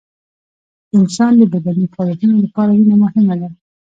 د انسان د بدني فعالیتونو لپاره وینه مهمه ده